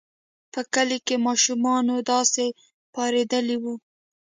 په کلي کې ماشومان داسې پارېدلي وو.